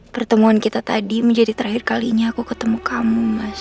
pertemuan kita tadi menjadi terakhir kalinya aku ketemu kamu